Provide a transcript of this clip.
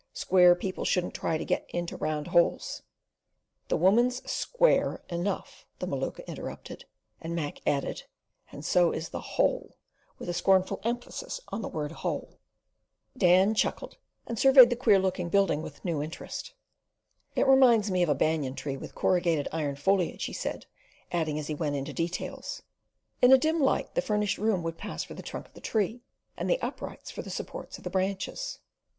Square people shouldn't try to get into round holes." "The woman's SQUARE enough!" the Maluka interrupted; and Mac added, "And so is the HOLE," with a scornful emphasis on the word "hole." Dan chuckled, and surveyed the queer looking building with new interest. "It reminds me of a banyan tree with corrugated iron foliage," he said, adding as he went into details, "In a dim light the finished room would pass for the trunk of the tree and the uprights for the supports of the branches."